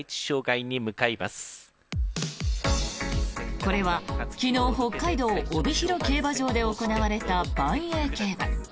これは昨日北海道・帯広競馬場で行われたばんえい競馬。